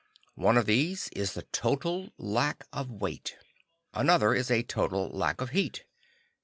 One of these is the total lack of weight. Another is a total lack of heat.